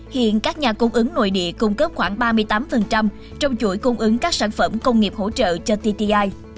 hiện các nhà cung ứng nội địa cung cấp khoảng ba mươi tám trong chuỗi cung ứng các sản phẩm công nghiệp hỗ trợ cho tti